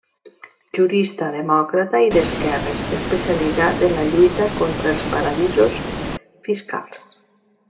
Jurista demòcrata i d'esquerres especialitzat en la lluita contra els paradisos fiscals.